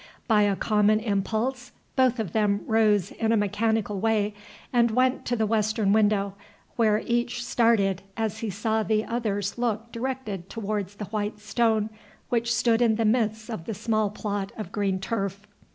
By a common impulse, both of them rose in a mechanical way and went to the western window, where each started, as he saw the other's look directed towards the white stone which stood in the midst of the small plot of green turf.